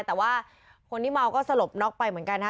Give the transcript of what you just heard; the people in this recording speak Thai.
แต่ว่าคนที่เมาก็สลบน็อกไปเหมือนกันฮะ